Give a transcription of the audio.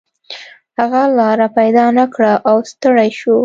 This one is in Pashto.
هغه لاره پیدا نه کړه او ستړی شو.